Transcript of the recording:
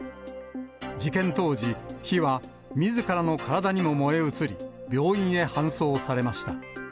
事件当時、火は、みずからの体にも燃え移り、病院へ搬送されました。